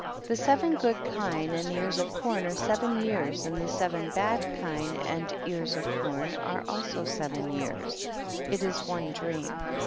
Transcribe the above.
54. The seven good kine and ears of corn are seven years, and the seven bad kine and ears of corn are also seven years ; it is one dream.